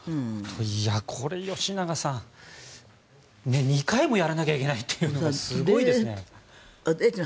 これ、吉永さん２回もやらなきゃいけないってすごいですね。